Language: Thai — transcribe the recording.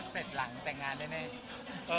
เสร็จหลังแต่งงานได้ไหม